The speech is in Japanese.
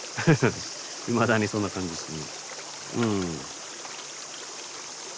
いまだにそんな感じですね。